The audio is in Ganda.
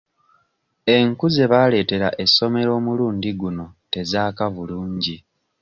Enku ze baaleetera essomero omulundi guno tezaaka bulungi.